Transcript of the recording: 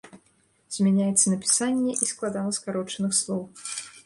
Змяняецца напісанне і складанаскарочаных слоў.